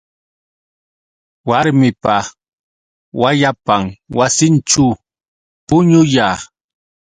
Warmipa wayapan wasinćhu puñuya.